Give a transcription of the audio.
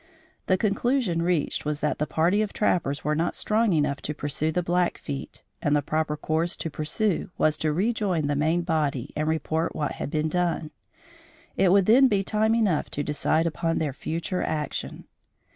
The conclusion reached was that the party of trappers were not strong enough to pursue the Blackfeet, and the proper course to pursue was to rejoin the main body and report what had been done. It would then be time enough to decide upon their future action.